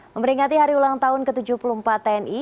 memperingati hari ulang tahun ke tujuh puluh empat tni